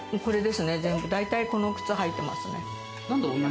大体この靴、履いてますね。